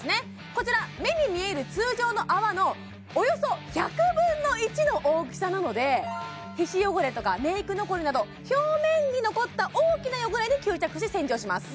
こちら目に見える通常の泡のおよそ１００分の１の大きさなので皮脂汚れとかメイク残りなど表面に残った大きな汚れに吸着し洗浄します